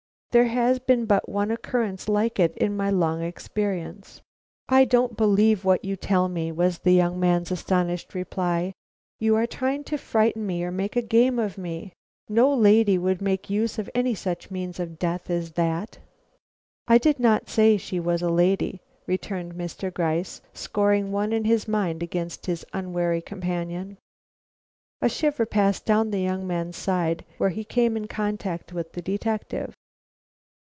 There has been but one occurrence like it in my long experience." "I don't believe what you tell me," was the young man's astonishing reply. "You are trying to frighten me or to make game of me. No lady would make use of any such means of death as that." "I did not say she was a lady," returned Mr. Gryce, scoring one in his mind against his unwary companion. A quiver passed down the young man's side where he came in contact with the detective.